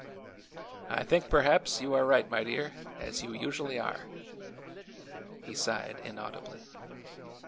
I think, perhaps, you are right, my dear, as you usu ally are." He sighed inaudibly.